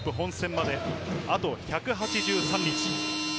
ワールドカップ本戦まであと１８３日。